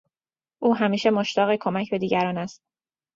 او همیشه مشتاق کمک به دیگران است.